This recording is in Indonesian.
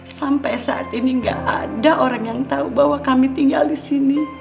sampai saat ini gak ada orang yang tahu bahwa kami tinggal di sini